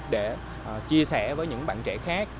để chia sẻ với những bạn trẻ khác